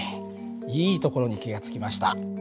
いいところに気が付きました。